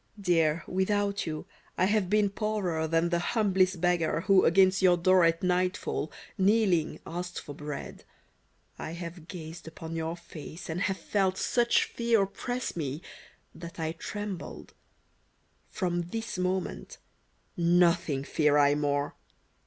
Dear, without you, I have been Poorer than the humblest beggar Who against your door at nightfall Kneeling, asked for bread : I have gazed upon your face And have felt such fear oppress me That I trembled. From this moment, Nothing fear I more